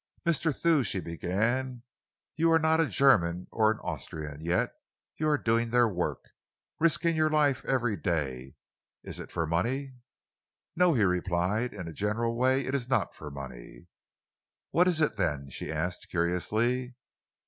"Mr. Thew," she began, "you are not a German or an Austrian, yet you are doing their work, risking your life every day. Is it for money?" "No," he replied, "in a general way it is not for money." "What is it, then?" she asked curiously.